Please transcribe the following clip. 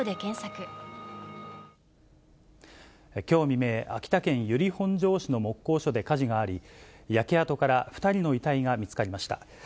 きょう未明、秋田県由利本荘市の木工所で火事があり、焼け跡から２人の遺体が見つかりました。